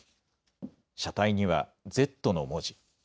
車体にはＺの文字。